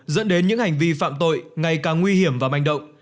dẫn đến những hành vi phạm tội ngày càng nguy hiểm và manh động